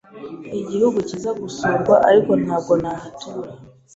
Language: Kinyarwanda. Ni igihugu cyiza gusurwa, ariko ntabwo nahatura.